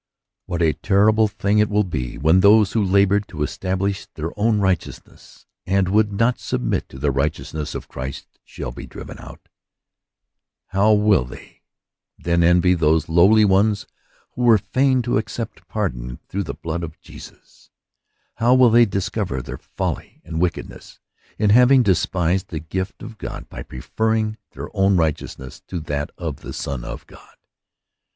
What a terrible thing it will be when those who labored to establish their own right eousness, and w6uld not submit to the righteous ness of Christ, shall be driven out ! How will they 34 According to the Promise. then envy those lowly ones who were fain t accept pardon through the blood of Jesus ! Hoi will they discover their folly and wickedness \m^ having despised the gift of God by preferring theic i — own righteousness to that of the Son of God.